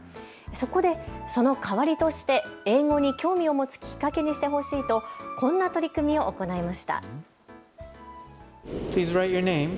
そこでその代わりとして英語に興味を持つきっかけにしてほしいとこんな取り組みを行いました。